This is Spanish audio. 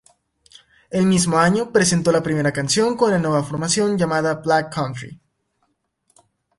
El mismo año presentó la primera canción con la nueva formación, llamada "Black Country".